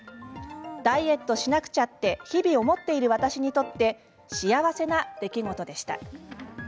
ダイエットしなくちゃって日々、思っている私にとって幸せな出来事でした。